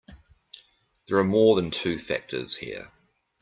There are more than two factors here.